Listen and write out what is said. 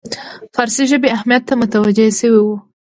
فارسي ژبې اهمیت ته متوجه شوی وو.